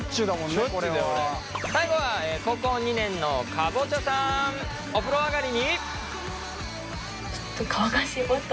最後は高校２年のかぼちゃさんお風呂上がりに。